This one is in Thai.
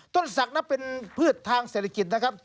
ต้นศักดิ์เป็นพืชทางเศรษฐกิจนะครับ